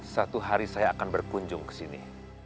satu hari saya akan berkunjung ke sini